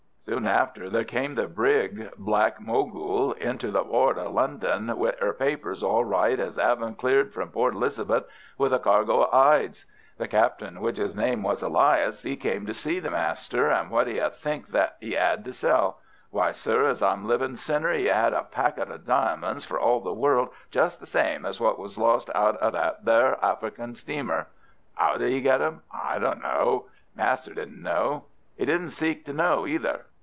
Soon after there came the brig Black Mogul into the port o' London, with 'er papers all right as 'avin' cleared from Port Elizabeth with a cargo of 'ides. The captain, which 'is name was Elias, 'e came to see the master, and what d'you think that 'e 'ad to sell? Why, sir, as I'm a livin' sinner 'e 'ad a packet of diamonds for all the world just the same as what was lost out o' that there African steamer. 'ow did 'e get them? I don't know. Master didn't know. 'e didn't seek to know either.